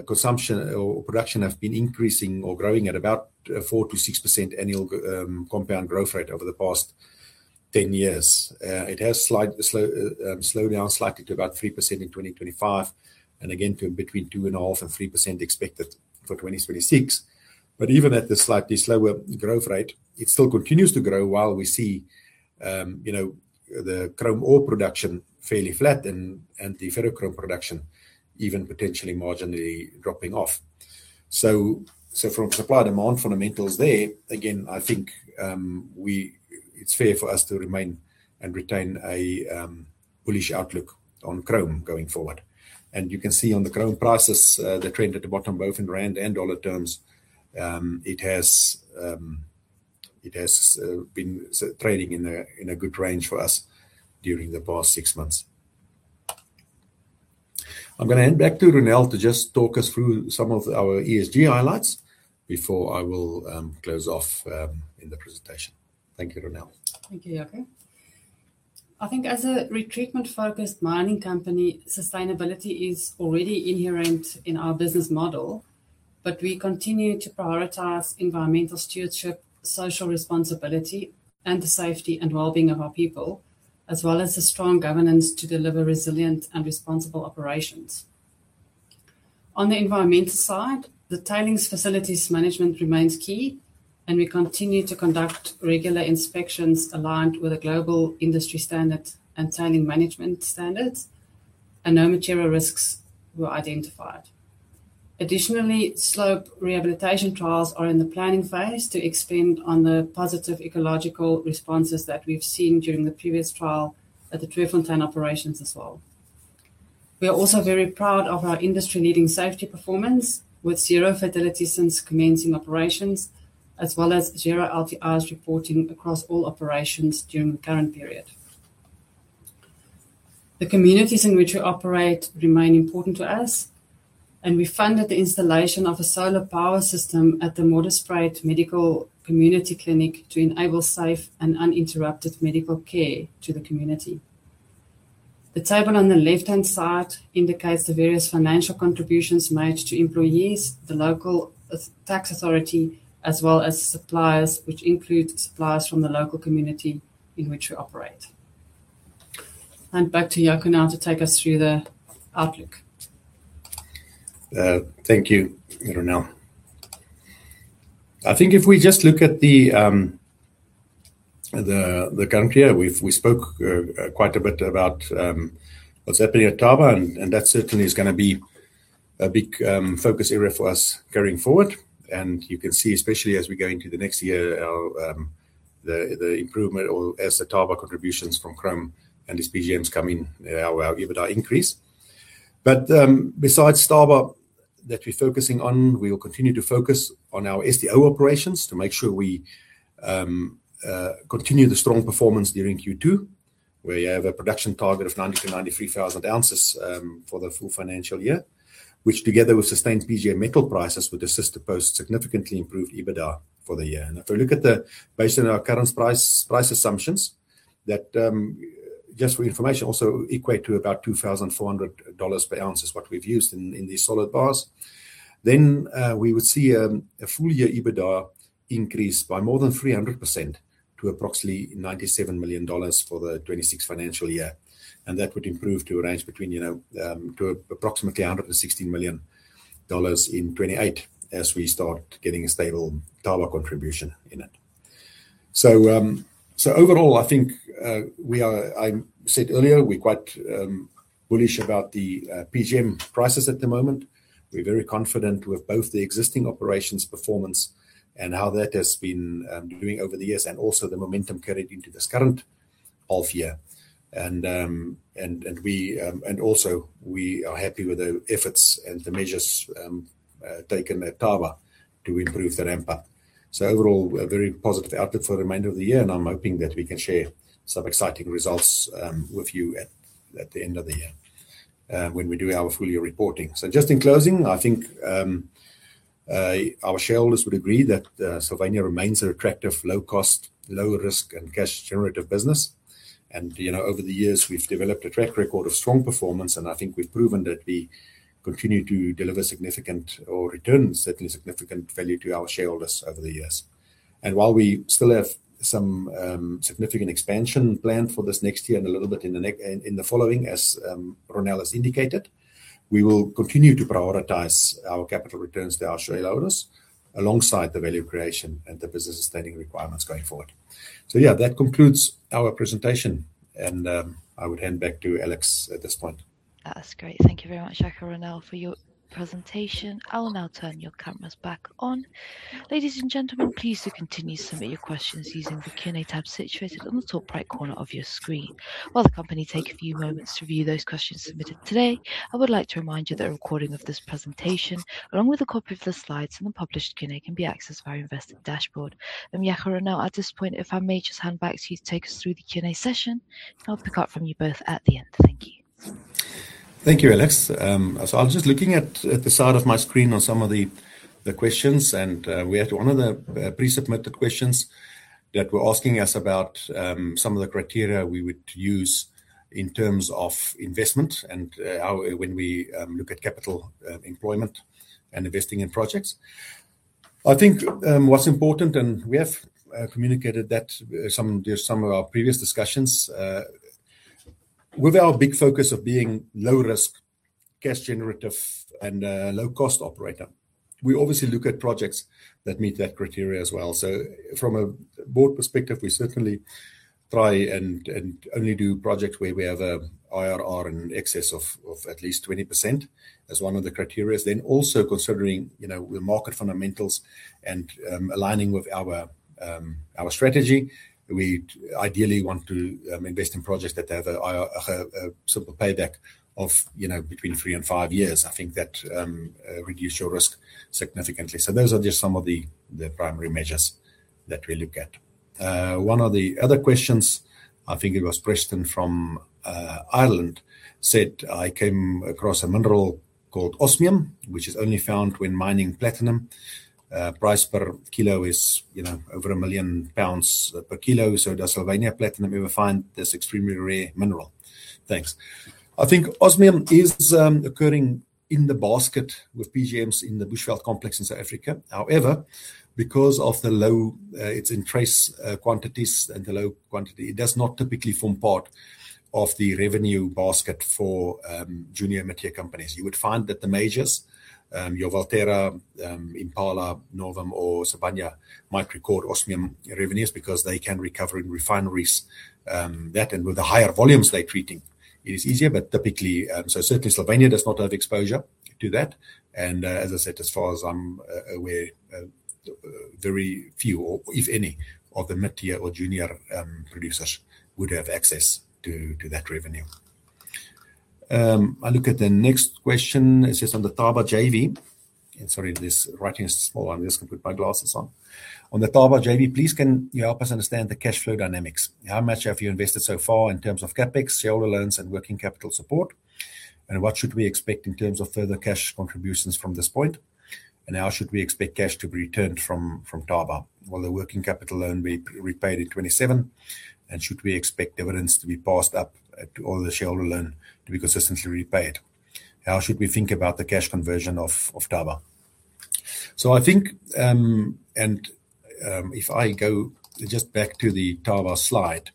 consumption or production have been increasing or growing at about 4%-6% annual compound growth rate over the past 10 years. It has slowed down slightly to about 3% in 2025, and again, to between 2.5%-3% expected for 2026. Even at the slightly slower growth rate, it still continues to grow while we see the chrome ore production fairly flat and the ferrochrome production even potentially marginally dropping off. From supply-demand fundamentals there, again, I think it's fair for us to remain and retain a bullish outlook on chrome going forward. You can see on the chrome prices, the trend at the bottom, both in rand and dollar terms, it has been trading in a good range for us during the past six months. I'm going to hand back to Ronel to just talk us through some of our ESG highlights before I will close off in the presentation. Thank you, Ronel. Thank you, Jaco. I think as a retreatment-focused mining company, sustainability is already inherent in our business model, but we continue to prioritize environmental stewardship, social responsibility, and the safety and well-being of our people, as well as the strong governance to deliver resilient and responsible operations. On the environmental side, the tailings facilities management remains key, and we continue to conduct regular inspections aligned with the Global Industry Standard on Tailings Management, and no material risks were identified. Additionally, slope rehabilitation trials are in the planning phase to expand on the positive ecological responses that we've seen during the previous trial at the Tweefontein operations as well. We are also very proud of our industry-leading safety performance, with zero fatality since commencing operations, as well as zero LTIs reporting across all operations during the current period. The communities in which we operate remain important to us, and we funded the installation of a solar power system at the Modderspruit Medical Community Clinic to enable safe and uninterrupted medical care to the community. The table on the left-hand side indicates the various financial contributions made to employees, the local tax authority, as well as suppliers, which include suppliers from the local community in which we operate. Hand back to Jaco now to take us through the outlook. Thank you, Ronel. I think if we just look at the current year, we spoke quite a bit about what's happening at Thaba, and that certainly is going to be a big focus area for us going forward. You can see, especially as we go into the next year, the improvement or as the Thaba contributions from chrome and these PGMs come in, our EBITDA increase. Besides Thaba that we're focusing on, we will continue to focus on our SDO operations to make sure we continue the strong performance during Q2, where you have a production target of 90,000-93,000 ounces for the full financial year, which together with sustained PGM metal prices, would assist to post significantly improved EBITDA for the year. If we look at the base in our current price assumptions, that just for your information, also equate to about $2,400 per ounce is what we've used in these solid bars. We would see a full-year EBITDA increase by more than 300% to approximately $97 million for 2026 financial year. That would improve to a range between approximately $116 million in 2028 as we start getting a stable dollar contribution in it. Overall, I think we are. I said earlier we're quite bullish about the PGM prices at the moment. We're very confident with both the existing operations performance and how that has been doing over the years, and also the momentum carried into this current half year. We are happy with the efforts and the measures taken at Thaba to improve the ramp-up. Overall, a very positive outlook for the remainder of the year, and I'm hoping that we can share some exciting results with you at the end of the year when we do our full-year reporting. Just in closing, I think our shareholders would agree that Sylvania remains an attractive, low-cost, low-risk, and cash-generative business. Over the years, we've developed a track record of strong performance, and I think we've proven that we continue to deliver significant return, certainly significant value to our shareholders over the years. While we still have some significant expansion planned for this next year and a little bit in the following, as Ronel has indicated, we will continue to prioritize our capital returns to our shareholders alongside the value creation and the business sustaining requirements going forward. Yeah, that concludes our presentation, and I would hand back to Alex at this point. That's great. Thank you very much, Jaco and Ronel, for your presentation. I will now turn your cameras back on. Ladies and gentlemen, please do continue to submit your questions using the Q&A tab situated on the top right corner of your screen. While the company take a few moments to view those questions submitted today, I would like to remind you that a recording of this presentation, along with a copy of the slides and the published Q&A, can be accessed via your investment dashboard. Jaco, Ronel, at this point, if I may just hand back to you to take us through the Q&A session, I'll pick up from you both at the end. Thank you. Thank you, Alex. I was just looking at the side of my screen on some of the questions, and we had one of the pre-submitted questions that were asking us about some of the criteria we would use in terms of investment and when we look at capital employment and investing in projects. I think what's important, and we have communicated that through some of our previous discussions, with our big focus of being low risk, cash generative, and a low-cost operator. We obviously look at projects that meet that criteria as well. From a board perspective, we certainly try and only do projects where we have an IRR in excess of at least 20% as one of the criteria. Also considering the market fundamentals and aligning with our strategy, we'd ideally want to invest in projects that have a sort of payback of between three and five years. I think that reduces your risk significantly. Those are just some of the primary measures that we look at. One of the other questions, I think it was Preston from Ireland, said, "I came across a mineral called osmium, which is only found when mining platinum. Price per kilo is over 1 million pounds per kilo. So does Sylvania Platinum ever find this extremely rare mineral? Thanks." I think osmium is occurring in the basket with PGMs in the Bushveld Complex in South Africa. However, because it's in trace quantities and a low quantity, it does not typically form part of the revenue basket for junior mining companies. You would find that the majors, your Anglo, Impala, Northam, or Sylvania, might record osmium revenues because they can recover in refineries. That, and with the higher volumes they're treating, it is easier. But certainly, Sylvania does not have exposure to that. As I said, as far as I'm aware, very few or if any, of the mid-tier or junior producers would have access to that revenue. I look at the next question. It says, "On the Thaba JV." Sorry, this writing is small. I'm just going to put my glasses on. "On the Thaba JV, please can you help us understand the cash flow dynamics? How much have you invested so far in terms of CapEx, shareholder loans, and working capital support? And what should we expect in terms of further cash contributions from this point? And how should we expect cash to be returned from Thaba? Will the working capital loan be repaid in 2027? And should we expect dividends to be passed up to all the shareholder loan to be consistently repaid? How should we think about the cash conversion of Thaba? I think, and if I go just back to the Thaba slide,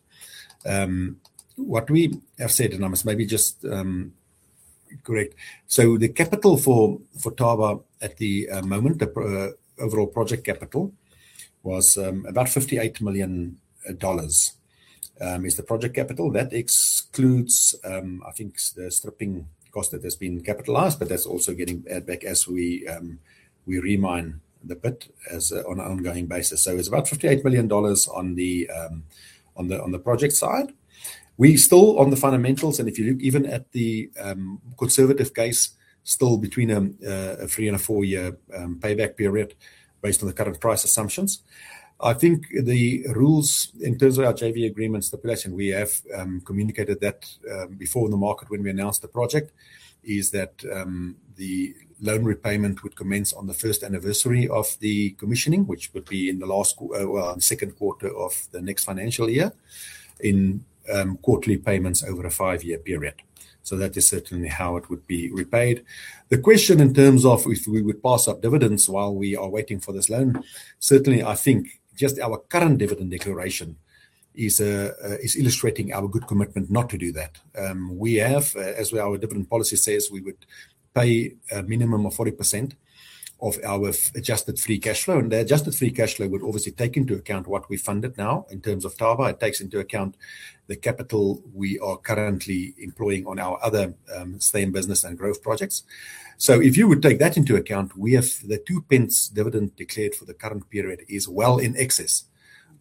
what we have said, and I must maybe just correct. The capital for Thaba at the moment, the overall project capital was about $58 million, is the project capital. That excludes, I think, the stripping cost that has been capitalized, but that's also getting added back as we re-mine the pit on an ongoing basis. It's about $58 million on the project side. We're still on the fundamentals, and if you look even at the conservative case, still between a three-year and a four-year payback period based on the current price assumptions. I think the rules in terms of our JV agreement stipulation, we have communicated that before in the market when we announced the project, is that the loan repayment would commence on the first anniversary of the commissioning, which would be in the second quarter of the next financial year, in quarterly payments over a five-year period. So that is certainly how it would be repaid. The question in terms of if we would pass up dividends while we are waiting for this loan, certainly, I think just our current dividend declaration is illustrating our good commitment not to do that. We have, as our dividend policy says, we would pay a minimum of 40% of our adjusted free cash flow. The adjusted free cash flow would obviously take into account what we funded now in terms of Thaba. It takes into account the capital we are currently employing on our other stay-in-business and growth projects. If you would take that into account, we have the 2 pence dividend declared for the current period is well in excess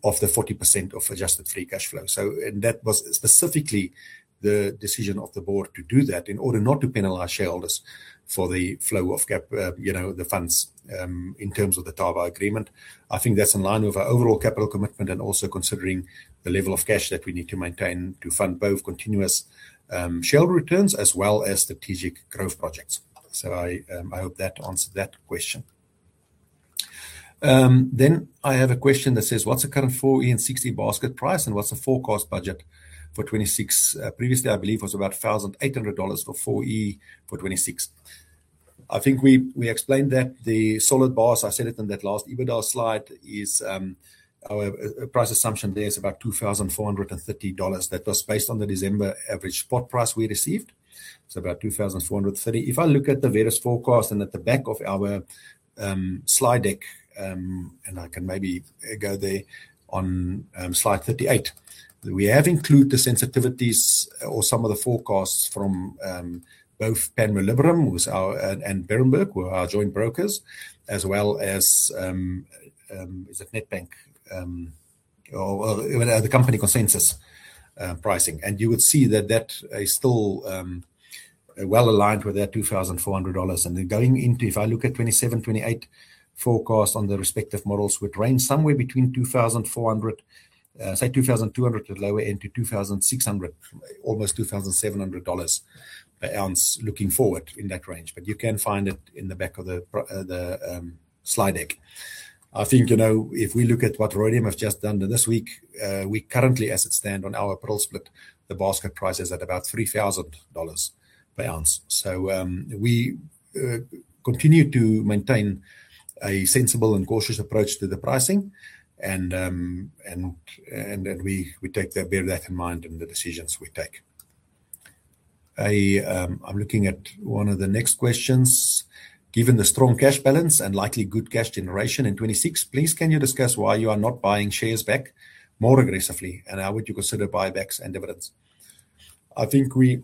of the 40% of adjusted free cash flow. That was specifically the decision of the board to do that in order not to penalize shareholders for the flow of the funds in terms of the Thaba agreement. I think that's in line with our overall capital commitment and also considering the level of cash that we need to maintain to fund both continuous shareholder returns as well as strategic growth projects. I hope that answered that question. I have a question that says, "What's the current 4E and 6E basket price, and what's the forecast budget for 2026? Previously, I believe it was about $1,800 for 4E for 2026. I think we explained that the solid bars, I said it in that last EBITDA slide, is our price assumption there is about $2,430. That was based on the December average spot price we received, so about $2,430. If I look at the various forecasts and at the back of our slide deck, and I can maybe go there on slide 38. We have included the sensitivities or some of the forecasts from both Panmure Gordon and Berenberg, who are our joint brokers, as well as, is it Nedbank? Or the company consensus pricing. You would see that is still well-aligned with that $2,400. Going into, if I look at 2027, 2028 forecast on the respective models, would range somewhere between $2,400, say $2,200 at the lower end to $2,600, almost $2,700 per ounce looking forward in that range. You can find it in the back of the slide deck. I think, if we look at what rhodium has just done this week, we currently, as it stands on our prill split, the basket price is at about $3,000 per ounce. We continue to maintain a sensible and cautious approach to the pricing and then we bear that in mind in the decisions we take. I'm looking at one of the next questions. Given the strong cash balance and likely good cash generation in 2026, please can you discuss why you are not buying shares back more aggressively, and how would you consider buybacks and dividends?" I think we,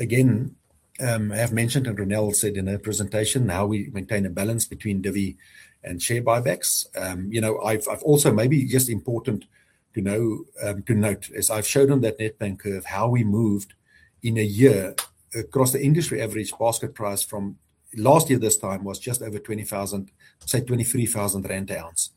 again, have mentioned, and Ronel said in her presentation, how we maintain a balance between divi and share buybacks. I've also, maybe just important to note, as I've shown on that Nedbank curve, how we moved in a year across the industry average basket price from last year this time was just over 20,000, say 23,000 rand an ounce.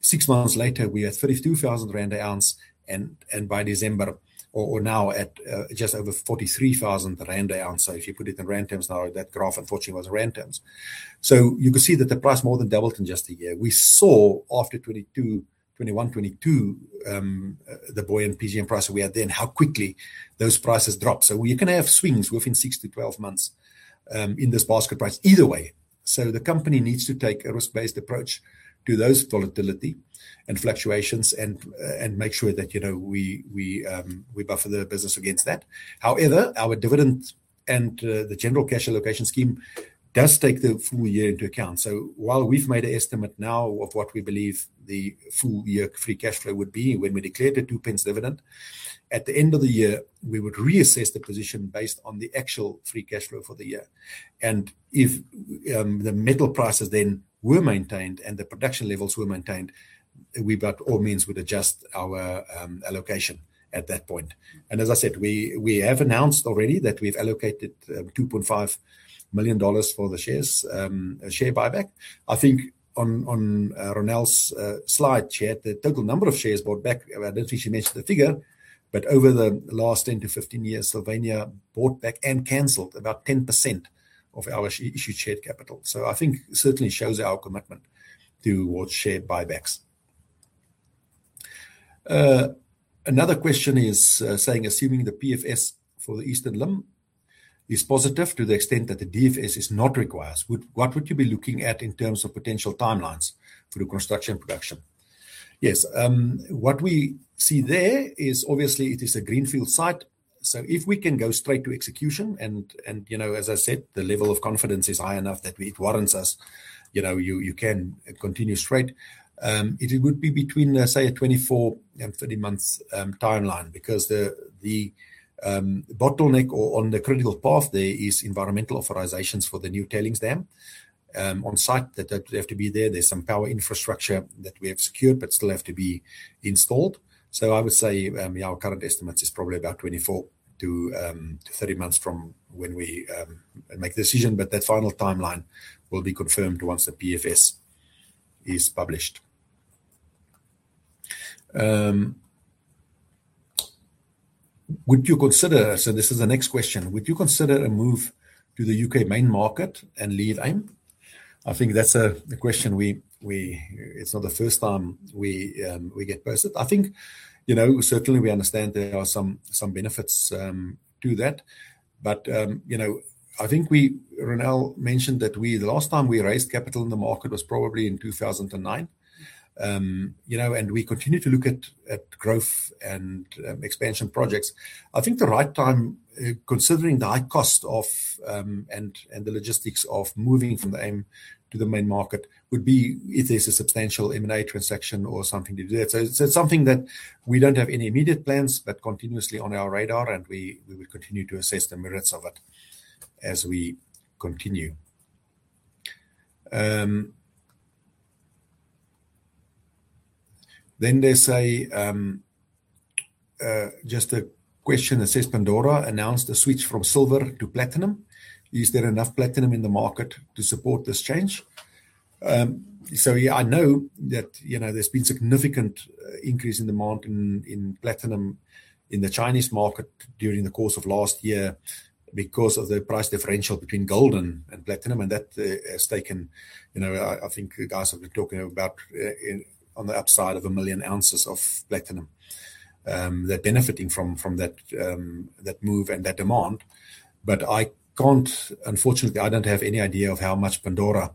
Six months later, we had 32,000 rand an ounce, and by December or now at just over 43,000 rand an ounce. If you put it in rand terms, now that graph unfortunately was rand terms. You could see that the price more than doubled in just a year. We saw after 2021, 2022, the buoyant PGM price we had then, how quickly those prices dropped. You can have swings within 6 months-12 months in this basket price either way. The company needs to take a risk-based approach to those volatility and fluctuations and make sure that we buffer the business against that. However, our dividend and the general cash allocation scheme does take the full year into account. While we've made an estimate now of what we believe the full-year free cash flow would be when we declared the 2 pence dividend. At the end of the year, we would reassess the position based on the actual free cash flow for the year. If the metal prices then were maintained and the production levels were maintained, we by all means would adjust our allocation at that point. As I said, we have announced already that we've allocated $2.5 million for the share buyback. I think on Ronel's slide, she had the total number of shares bought back. I don't think she mentioned the figure, but over the last 10 years-15 years, Sylvania bought back and canceled about 10% of our issued share capital. I think certainly shows our commitment towards share buybacks. Another question is saying, "Assuming the PFS for the Eastern Limb is positive to the extent that the DFS is not required, what would you be looking at in terms of potential timelines for the construction production?" Yes. What we see there is obviously it is a greenfield site, so if we can go straight to execution and, as I said, the level of confidence is high enough that it warrants us, you can continue straight. It would be between, say, a 24 months and 30 months timeline because the bottleneck or on the critical path there is environmental authorizations for the new tailings dam on site that would have to be there. There's some power infrastructure that we have secured but still have to be installed. I would say, our current estimate is probably about 24 months-30 months from when we make the decision. That final timeline will be confirmed once the PFS is published. This is the next question: "Would you consider a move to the U.K. main market and leave AIM?" I think that's the question. It's not the first time we get posed. I think, certainly we understand there are some benefits to that. I think Ronel mentioned that the last time we raised capital in the market was probably in 2009. We continue to look at growth and expansion projects. I think the right time, considering the high cost of, and the logistics of moving from the AIM to the main market, would be if there's a substantial M&A transaction or something to do that. It's not something that we don't have any immediate plans, but continuously on our radar, and we will continue to assess the merits of it as we continue. They say, just a question that says, "Pandora announced a switch from silver to platinum. Is there enough platinum in the market to support this change?" Yeah, I know that there's been significant increase in demand in platinum in the Chinese market during the course of last year because of the price differential between gold and platinum. That has taken, I think the guys have been talking about on the upside of 1 million ounces of platinum. They're benefiting from that move and that demand. Unfortunately, I don't have any idea of how much Pandora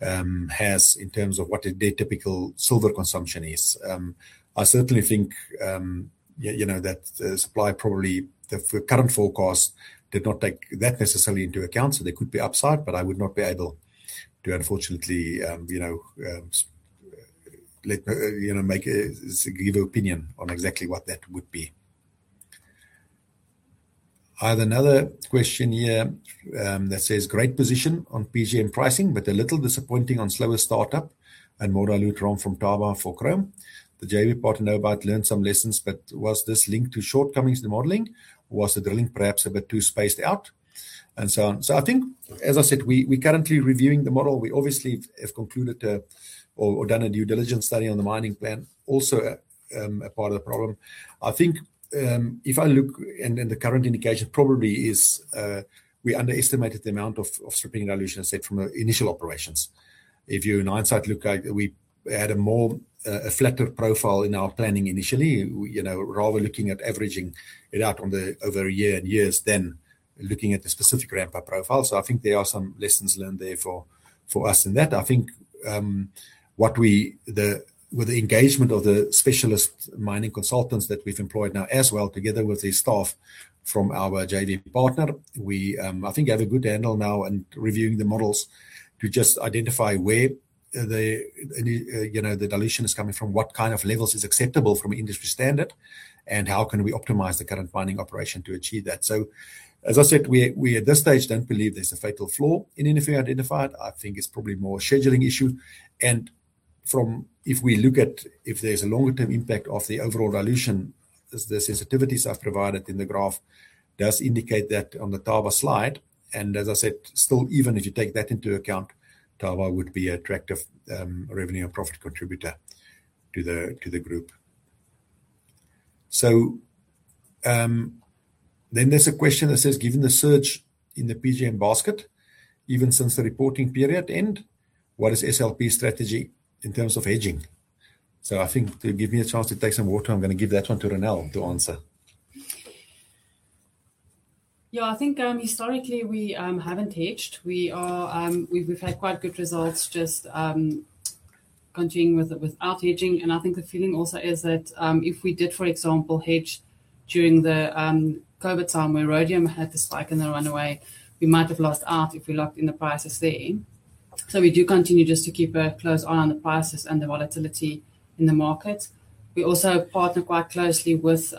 has in terms of what their typical silver consumption is. I certainly think that the supply, probably the current forecast did not take that necessarily into account, so there could be upside, but I would not be able to, unfortunately, give an opinion on exactly what that would be. I have another question here that says, "Great position on PGM pricing, but a little disappointing on slower startup and lower throughput from Thaba for chrome. The JV partner no doubt learned some lessons, but was this linked to shortcomings in the modeling? Was the drilling perhaps a bit too spaced out, and so on." I think, as I said, we're currently reviewing the model. We obviously have concluded or done a due diligence study on the mining plan, also a part of the problem. I think if I look and then the current indication probably is, we underestimated the amount of stripping dilution asset from our initial operations. If you in hindsight look at, we had a more effective profile in our planning initially, rather looking at averaging it out over a year and years, than looking at the specific ramp-up profile. I think there are some lessons learned there for us in that. I think with the engagement of the specialist mining consultants that we've employed now as well, together with the staff from our JV partner, we, I think, have a good handle now in reviewing the models to just identify where the dilution is coming from, what kind of levels is acceptable from an industry standard, and how can we optimize the current mining operation to achieve that. As I said, we at this stage, don't believe there's a fatal flaw in anything identified. I think it's probably more scheduling issue. If we look at if there's a longer-term impact of the overall dilution, the sensitivities I've provided in the graph does indicate that on the Thaba slide. As I said, still, even if you take that into account, Thaba would be attractive revenue and profit contributor to the group. There's a question that says, "Given the surge in the PGM basket, even since the reporting period end, what is SLP's strategy in terms of hedging?" I think to give me a chance to take some water, I'm gonna give that one to Ronel to answer. Yeah, I think, historically we haven't hedged. We've had quite good results just continuing without hedging. I think the feeling also is that, if we did, for example, hedge during the COVID time where rhodium had the spike and the runaway, we might have lost out if we locked in the prices there. We do continue just to keep a close eye on the prices and the volatility in the market. We also partner quite closely with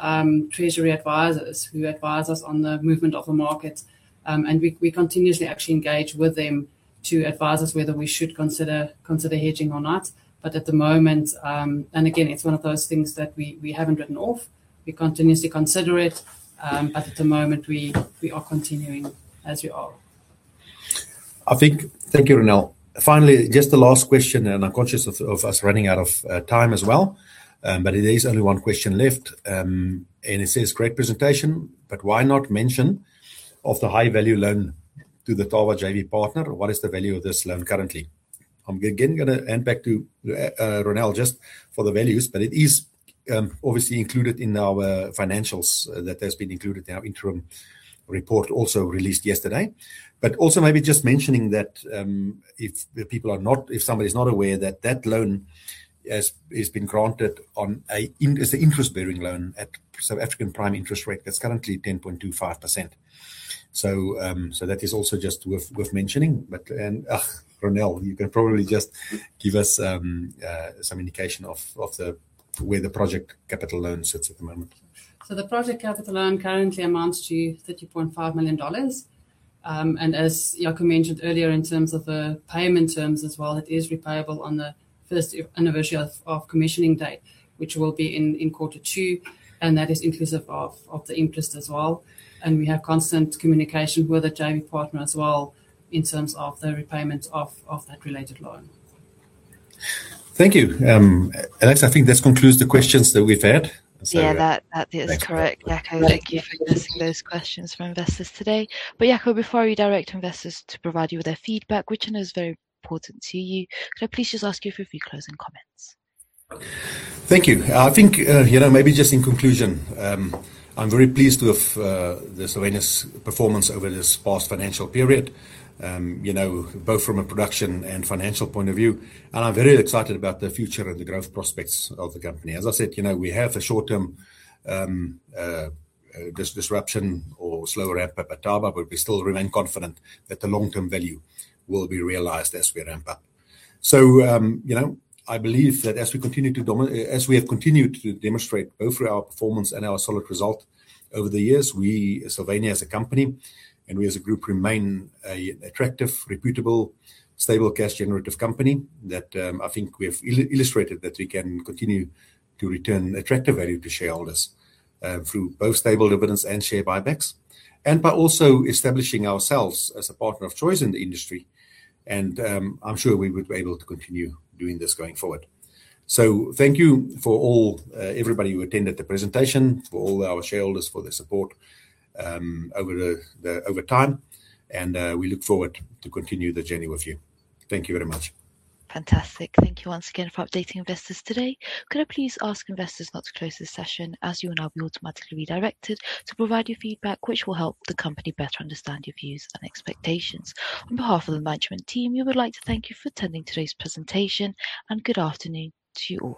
treasury advisors who advise us on the movement of the market, and we continuously actually engage with them to advise us whether we should consider hedging or not. At the moment, and again, it's one of those things that we haven't written off. We continuously consider it, but at the moment, we are continuing as we are. I think. Thank you, Ronel. Finally, just the last question, and I'm conscious of us running out of time as well. There is only one question left. It says, "Great presentation, but why not mention of the high-value loan to the Thaba JV partner? What is the value of this loan currently?" I'm again gonna hand back to Ronel just for the values, but it is obviously included in our financials that has been included in our interim report, also released yesterday. Also maybe just mentioning that, if somebody is not aware that that loan is an interest-bearing loan at South African prime interest rate that's currently 10.25%. That is also just worth mentioning. Ronel, you can probably just give us some indication of where the project capital loan sits at the moment. The project capital loan currently amounts to $30.5 million. As Jaco mentioned earlier, in terms of the payment terms as well, it is repayable on the first anniversary of commissioning date, which will be in quarter two, and that is inclusive of the interest as well. We have constant communication with the JV partner as well in terms of the repayment of that related loan. Thank you. Alex, I think this concludes the questions that we've had. Yeah, that is correct. Jaco, thank you for addressing those questions from investors today. Jaco, before we direct investors to provide you with their feedback, which I know is very important to you, could I please just ask you for a few closing comments? Thank you. I think, maybe just in conclusion, I'm very pleased with Sylvania's performance over this past financial period. Both from a production and financial point of view. I'm very excited about the future and the growth prospects of the company. As I said, we have a short-term disruption or slower ramp-up at Thaba, but we still remain confident that the long-term value will be realized as we ramp up. I believe that as we have continued to demonstrate both through our performance and our solid result over the years, we at Sylvania as a company and we as a group remain an attractive, reputable, stable cash generative company that I think we have illustrated that we can continue to return attractive value to shareholders, through both stable dividends and share buybacks. By also establishing ourselves as a partner of choice in the industry. I'm sure we would be able to continue doing this going forward. Thank you for all, everybody who attended the presentation, for all our shareholders for their support over time. We look forward to continue the journey with you. Thank you very much. Fantastic. Thank you once again for updating investors today. Could I please ask investors now to close this session as you will now be automatically redirected to provide your feedback, which will help the company better understand your views and expectations. On behalf of the management team, we would like to thank you for attending today's presentation, and good afternoon to you all.